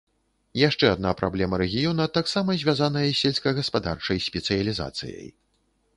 Яшчэ адна праблема рэгіёна таксама звязаная з сельскагаспадарчай спецыялізацыяй.